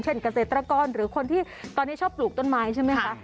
เกษตรกรหรือคนที่ตอนนี้ชอบปลูกต้นไม้ใช่ไหมคะ